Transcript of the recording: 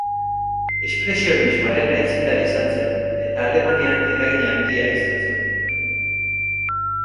Espresionismoaren aitzindari izan zen eta Alemanian eragin handia izan zuen.